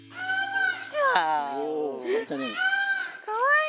かわいい！